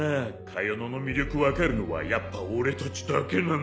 カヨノの魅力分かるのはやっぱ俺たちだけなんだよ。